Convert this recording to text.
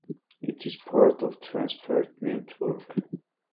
It is part of the Transperth network.